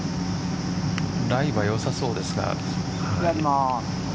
ライは良さそうですが。